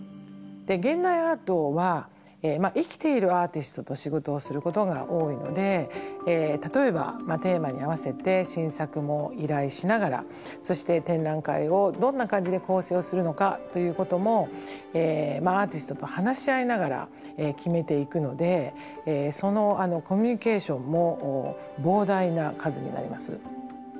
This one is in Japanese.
現代アートは生きているアーティストと仕事をすることが多いので例えばテーマに合わせて新作も依頼しながらそして展覧会をどんな感じで構成をするのかということもアーティストと話し合いながら決めていくのでそのコミュニケーションも膨大な数になります。